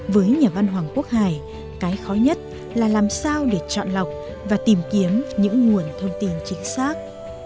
với nhà văn hoàng quốc hải cái khó nhất là làm sao để chọn lọc và tìm kiếm những nguồn thông tin chính xác